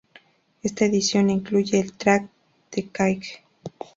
Esta edición incluye el track "The Cage".